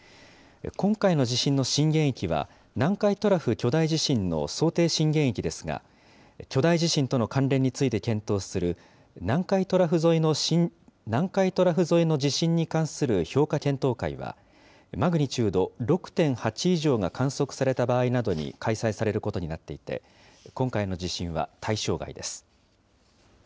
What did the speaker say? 今回の地震の震源域は南海トラフ巨大地震の想定震源域ですが、巨大地震との関連について検討する、南海トラフ沿いの地震に関する評価検討会は、マグニチュード６．８以上が観測された場合などに開催されることになっていて、今回の地震は対象外です。